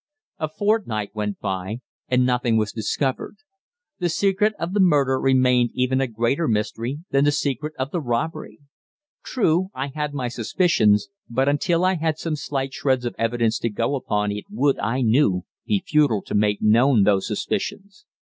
A fortnight went by, and nothing was discovered. The secret of the murder remained even a greater mystery than the secret of the robbery. True, I had my suspicions, but until I had some slight shreds of evidence to go upon it would, I knew, be futile to make known those suspicions.